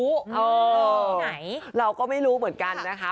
ใช่เพราะว่าที่เมืองนอกใช่เพราะว่า